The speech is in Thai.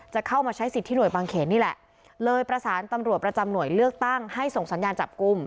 เข้ามาใช้สิทธิหน่วยบางเขนนี่แหละเลยประสานตำรวจประจำหน่วยเลือกตั้งให้ส่งสัญญาณจับกลุ่ม